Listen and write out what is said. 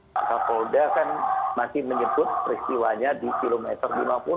pak kapolda kan masih menyebut peristiwanya di kilometer lima puluh